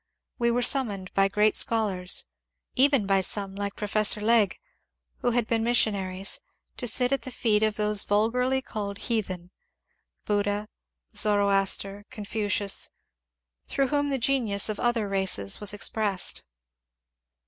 We were summoned by great scholars — even by some like Professor Legge who had been missionaries — to sit at the feet of those vulg^ly called ^* heathen," — Buddha, Zoroaster, Confucius, — through whom the genius of other races was expressed.